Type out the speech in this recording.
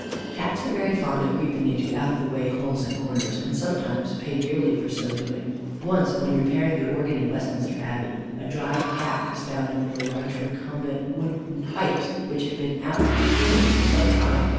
Cats are very fond of creeping into out of the way holes and corners, and, sometimes, pay dearly for so doing. Once when repairing the organ in Westminster Abbey, a dried Cat was found in one of the large recumbent wooden pipes, which had been out of tune for some time.